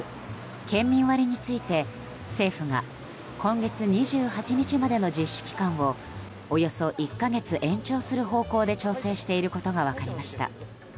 県民割について政府が今月２８日までの実施期間をおよそ１か月延長する方向で調整していることが分かりました。